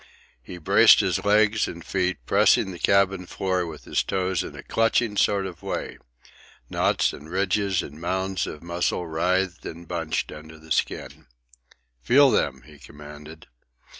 He braced his legs and feet, pressing the cabin floor with his toes in a clutching sort of way. Knots and ridges and mounds of muscles writhed and bunched under the skin. "Feel them," he commanded.